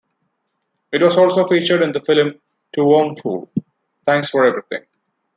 It was also featured in the film To Wong Foo, Thanks for Everything!